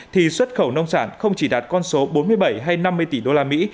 thì xuất khẩu nông sản không chỉ đạt con số bốn mươi bảy hay năm mươi tỷ đô la mỹ